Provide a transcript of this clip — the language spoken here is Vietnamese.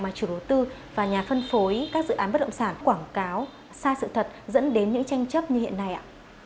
mà chủ đầu tư và nhà phân phối các dự án bất động sản quảng cáo sai sự thật dẫn đến những tranh chấp như hiện nay ạ